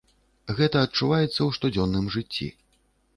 Гэта адчуваецца ў штодзённым жыцці.